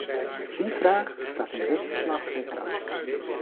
Die vraag staat in dit verslag centraal.